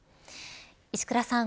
石倉さん